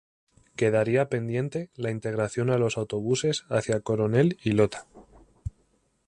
Quedaría pendiente la integración a los autobuses hacia Coronel y Lota.